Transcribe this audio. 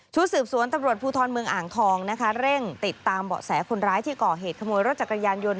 สืบสวนตำรวจภูทรเมืองอ่างทองนะคะเร่งติดตามเบาะแสคนร้ายที่ก่อเหตุขโมยรถจักรยานยนต์